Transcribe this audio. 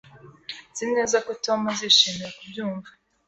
Nzi neza ko Tom azishimira kubyumva.